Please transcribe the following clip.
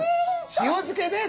塩漬けです！